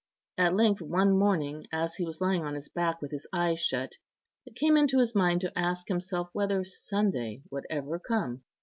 At length one morning, as he was lying on his back with his eyes shut, it came into his mind to ask himself whether Sunday would ever come.